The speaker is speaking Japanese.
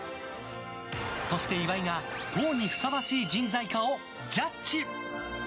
そして岩井が党にふさわしい人材かをジャッジ。